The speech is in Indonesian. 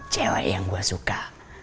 cewek yang gue suka